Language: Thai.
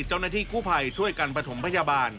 เจ้าหน้าที่กู้ภัยช่วยกันประถมพยาบาล